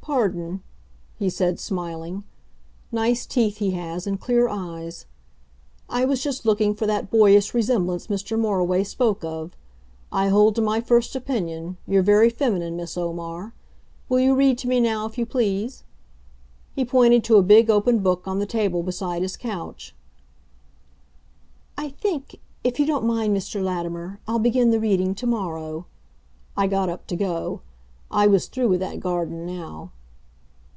"Pardon," he said, smiling; nice teeth he has and clear eyes. "I was just looking for that boyish resemblance Mr. Moriway spoke of. I hold to my first opinion you're very feminine, Miss Omar. Will you read to me now, if you please?" He pointed to a big open book on the table beside his couch. "I think if you don't mind, Mr. Latimer, I'll begin the reading to morrow." I got up to go. I was through with that garden now.